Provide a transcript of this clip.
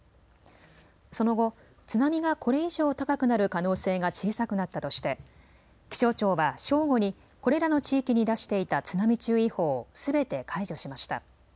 その後、津波がこれ以上高くなる可能性が小さくなったとして気象庁は正午にこれらの地域に出していた津波注意報をすべて解除しました。